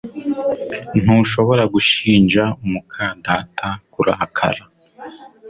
Ntushobora gushinja muka data kurakara